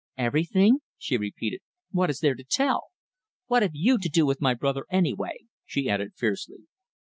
"Everything?" she repeated. "What is there to tell. What have you to do with my brother, anyway?" she added fiercely.